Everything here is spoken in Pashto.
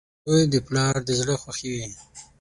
• زوی د پلار د زړۀ خوښي وي.